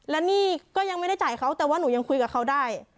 และหนี้ก็ยังไม่ได้จ่ายเขาแต่ว่าหนูยังคุยกับเขาได้